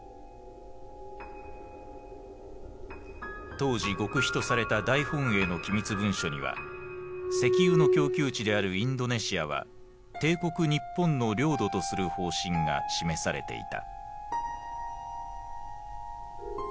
当時極秘とされた大本営の機密文書には石油の供給地であるインドネシアは帝国日本の領土とする方針が示されていた。